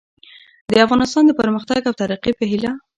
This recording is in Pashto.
د افغانستان د پرمختګ او ترقي په هیله